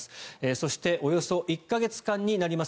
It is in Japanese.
そしておよそ１か月間になります